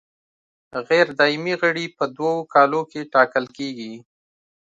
غیر دایمي غړي په دوو کالو کې ټاکل کیږي.